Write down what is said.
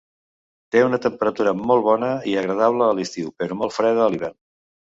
Té una temperatura molt bona i agradable a l'estiu però molt freda a l'hivern.